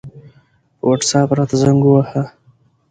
په وټساپ راته زنګ ووهه